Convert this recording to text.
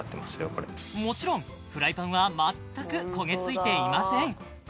これもちろんフライパンは全く焦げ付いていません